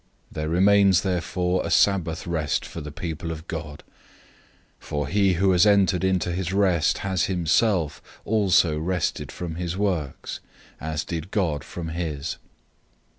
004:009 There remains therefore a Sabbath rest for the people of God. 004:010 For he who has entered into his rest has himself also rested from his works, as God did from his.